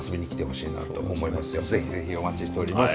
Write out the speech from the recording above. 是非是非お待ちしております。